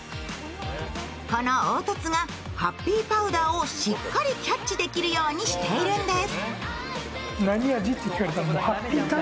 この凹凸がハッピーパウダーをしっかりキャッチできるようにしているんです。